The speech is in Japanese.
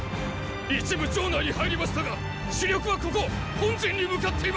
一部城内に入りましたが主力はここ本陣に向かっています！